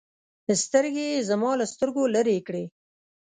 سترګې يې زما له سترګو لرې كړې.